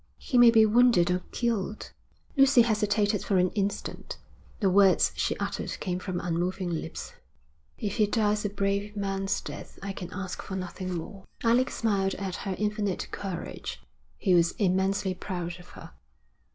'He may be wounded or killed.' Lucy hesitated for an instant. The words she uttered came from unmoving lips. 'If he dies a brave man's death I can ask for nothing more.' Alec smiled at her infinite courage. He was immensely proud of her.